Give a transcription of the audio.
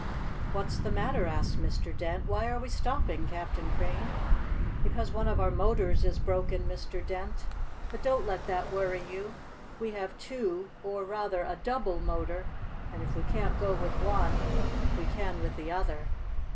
"What's the matter?" asked Mr. Dent. "Why are we stopping, Captain Crane?" "Because one of our motors is broken, Mr. Dent. But don't let that worry you. We have two, or, rather, a double motor, and if we can't go with one we can with the other.